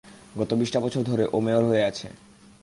গত বিশটা বছর ধরে ও মেয়র হয়ে আছে।